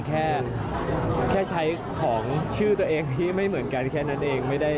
แค่ใช้ของชื่อตัวเองที่ไม่เหมือนกันแค่นั้นเอง